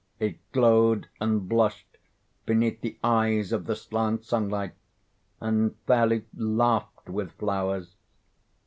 It glowed and blushed beneath the eyes of the slant sunlight, and fairly laughed with flowers.